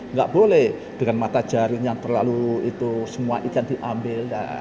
nggak boleh dengan mata jaring yang terlalu itu semua ikan diambil